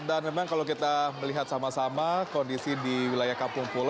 dan memang kalau kita melihat sama sama kondisi di wilayah kampung pulo